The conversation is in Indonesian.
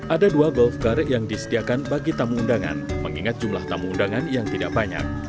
ada dua golf car yang disediakan bagi tamu undangan mengingat jumlah tamu undangan yang tidak banyak